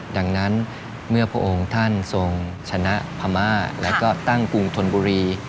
ดังนั้นเมื่อพระองค์ท่านทรงชนะพม่าแล้วก็ตั้งกรุงธนบุรี